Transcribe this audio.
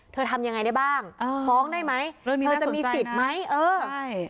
เธอทำยังไงได้บ้างเออพร้อมได้ไหมเรื่องนี้น่าสนใจนะเธอจะมีสิทธิ์ไหมเออใช่